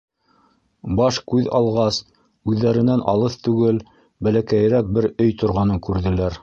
Баш-күҙ алғас, үҙҙәренән алыҫ түгел, бәләкәйерәк бер өй торғанын күрҙеләр.